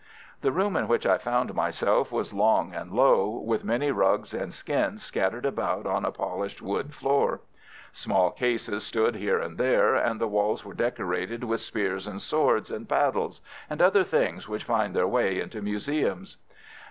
The room in which I found myself was long and low, with many rugs and skins scattered about on a polished wood floor. Small cases stood here and there, and the walls were decorated with spears and swords and paddles, and other things which find their way into museums.